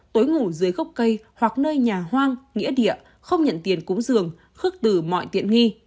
tối ngủ dưới gốc cây hoặc nơi nhà hoang nghĩa địa không nhận tiền cúng giường khước từ mọi tiện nghi